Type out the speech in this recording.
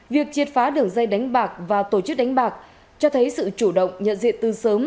việc triệt phá đường dây đánh bạc và tổ chức đánh bạc cho thấy sự chủ động nhận diện từ sớm